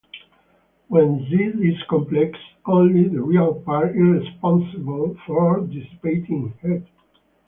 When "Z" is complex, only the real part is responsible for dissipating heat.